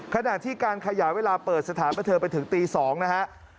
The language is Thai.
ขณะที่การขยายเวลาเปิดสถานบันเทิงไปถึงตี๒นะฮะ